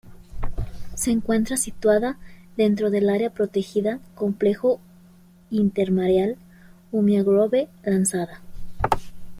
Se encuentra situada dentro del área protegida "Complejo Intermareal Umia-Grove-Lanzada".